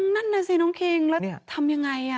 นั่นแหละสิน้องเคงแล้วทำอย่างไร